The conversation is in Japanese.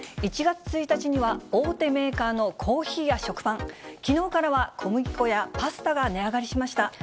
１月１日には大手メーカーのコーヒーや食パン、きのうからは小麦粉やパスタが値上がりしました。